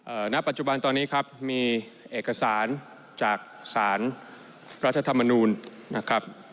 ณปัจจุบันตอนนี้ครับมีเอกสารจากสารรัฐธรรมนูลนะครับ